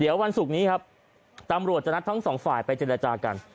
เดี๋ยววันศุกร์นี้ครับตำรวจจะนัดทั้งสองฝ่ายไปเจรจากัน